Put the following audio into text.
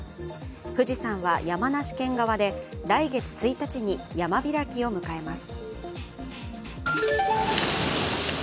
富士山は山梨県側で来月１日に山開きを迎えます。